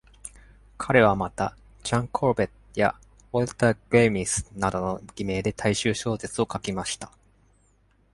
彼はまた、Chan Corbett や Walter Glamis などの偽名で大衆小説を書きました。